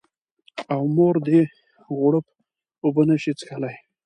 او مور دې غوړپ اوبه نه شي څښلی